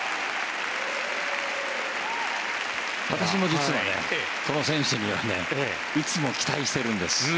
私も実はこの選手にはいつも期待してるんです。